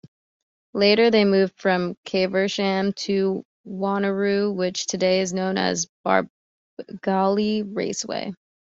Later, they moved from Caversham to Wanneroo, which today is known as Barbagallo Raceway.